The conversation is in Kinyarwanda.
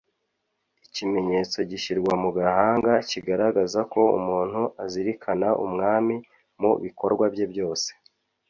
ikimenyetso gishyirwa mu gahanga kigaragaza ko umuntu azirikana umwami mu bikorwa bye byose